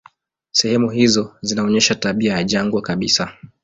Sehemu hizo zinaonyesha tabia ya jangwa kabisa.